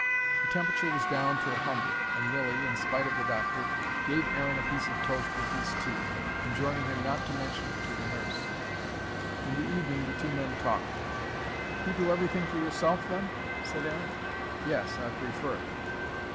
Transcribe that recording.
The temperature was down to a hundred, and Lilly, in spite of the doctor, gave Aaron a piece of toast with his tea, enjoining him not to mention it to the nurse. In the evening the two men talked. "You do everything for yourself, then?" said Aaron. "Yes, I prefer it."